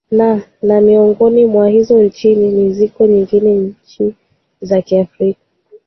naa na miongoni mwa hizo nchini ni ni ziko nyingine nchi za kiafrika